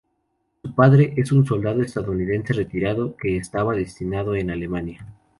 Su padre es un soldado estadounidense retirado que estaba destinado en Alemania.